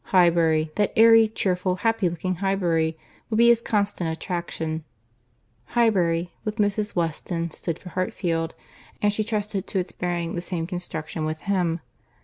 Highbury, that airy, cheerful, happy looking Highbury, would be his constant attraction."—Highbury, with Mrs. Weston, stood for Hartfield; and she trusted to its bearing the same construction with him.